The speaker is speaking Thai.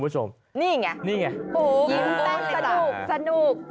สนุก